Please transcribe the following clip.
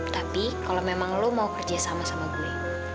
tapi kalau memang lo mau kerjasama sama gue